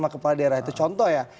kepala daerah itu contoh ya